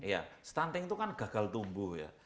ya stunting itu kan gagal tumbuh ya